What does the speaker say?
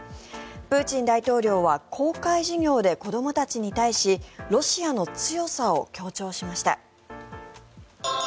プーチン大統領は公開授業で子どもたちに対しロシアの強さを強調しました。